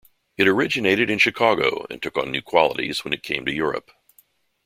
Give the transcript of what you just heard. It originated in Chicago and took on new qualities when it came to Europe.